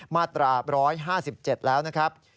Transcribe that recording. มาตรา๑๕๗แล้วนะครับ